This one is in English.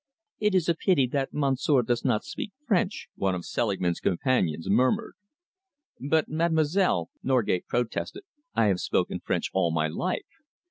"It is a pity that monsieur does not speak French," one of Selingman's companions murmured. "But, mademoiselle," Norgate protested, "I have spoken French all my life.